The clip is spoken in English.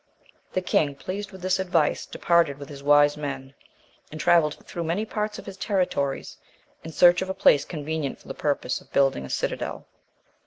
The king, pleased with this advice, departed with his wise men, and travelled through many parts of his territories, in search of a place convenient for the purpose of building a citadel.